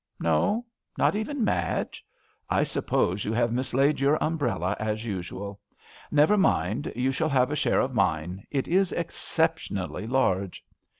No ? Not even Madge? I suppose you have mislaid your umbrella as usual. Never mind, you shall have a share of mine — it is ex ceptionally large."